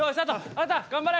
あなた頑張れ！